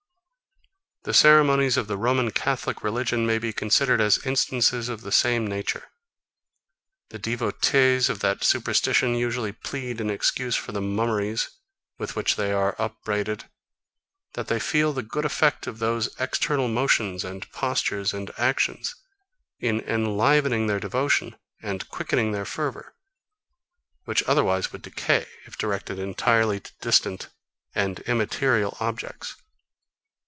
The ceremonies of the Roman Catholic religion may be considered as instances of the same nature. The devotees of that superstition usually plead in excuse for the mummeries, with which they are upbraided, that they feel the good effect of those external motions, and postures, and actions, in enlivening their devotion and quickening their fervour, which otherwise would decay, if directed entirely to distant and immaterial objects.